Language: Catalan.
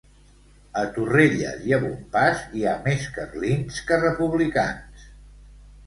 A Torrelles i a Bompàs, hi ha més carlins que republicans.